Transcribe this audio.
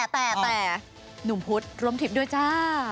แต่หนุ่มพุธรวมทิพย์ด้วยจ้า